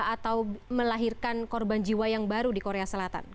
atau melahirkan korban jiwa yang baru di korea selatan